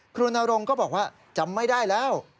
นรงค์ก็บอกว่าจำไม่ได้แล้ว